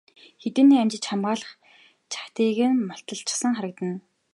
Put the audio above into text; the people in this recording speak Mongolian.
Хэдийнээ амжиж хамгаалах чагтыг нь мулталчихсан харагдана.